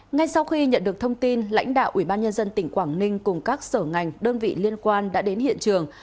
ngay sau khi nhận được thông tin lãnh đạo ubnd tỉnh quảng ninh cùng các sở ngành đơn vị liên quan đã đến hiện trường